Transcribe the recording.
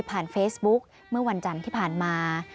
เฟซบุ๊กเมื่อวันจันทร์ที่ผ่านมา